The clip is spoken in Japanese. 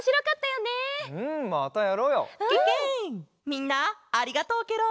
みんなありがとうケロ！